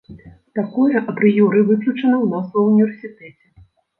Такое апрыёры выключана ў нас ва ўніверсітэце.